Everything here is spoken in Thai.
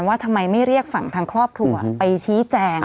ว่าทำไมไม่เรียกฝั่งทางครอบครัวไปชี้แจง